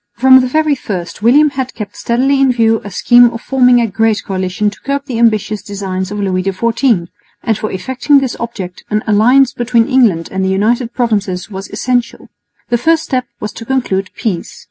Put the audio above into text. From the very first William had kept steadily in view a scheme of forming a great coalition to curb the ambitious designs of Louis XIV; and for effecting this object an alliance between England and the United Provinces was essential. The first step was to conclude peace.